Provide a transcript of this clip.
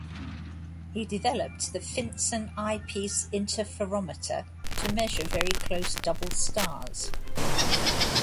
He developed the Finsen eyepiece interferometer to measure very close double stars.